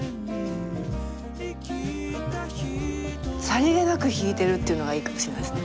さりげなく敷いてるっていうのがいいかもしれないですね。